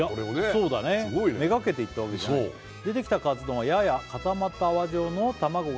そうだねすごいね目がけて行ったわけじゃない「出てきたカツ丼はやや固まった泡状の卵が」